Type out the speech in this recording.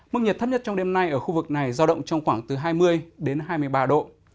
mức nhiệt thấp nhất trong đêm nay ở khu vực này giao động trong khoảng từ hai mươi đến hai mươi ba độ